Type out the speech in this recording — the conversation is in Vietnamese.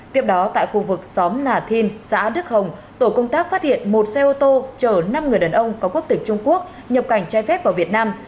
tiếp đó tại khu vực xóm nà thin xã đức hồng tổ công tác phát hiện một xe ô tô chở năm người đàn ông có quốc tịch trung quốc nhập cảnh trai phép vào việt nam